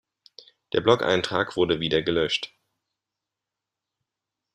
Der Blogeintrag wurde wieder gelöscht.